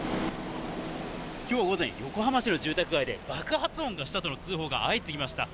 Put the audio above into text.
きょう午前、横浜市の住宅街で爆発音がしたとの通報が相次ぎました。